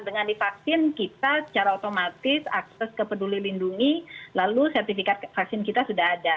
dengan divaksin kita secara otomatis akses ke peduli lindungi lalu sertifikat vaksin kita sudah ada